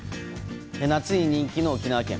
夏に人気の沖縄県。